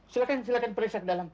silahkan silahkan periksa dalam